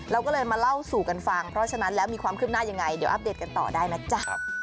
เราก็เลยมาเล่าสู่กันฟังเพราะฉะนั้นแล้วมีความคืบหน้ายังไงเดี๋ยวอัปเดตกันต่อได้นะจ๊ะ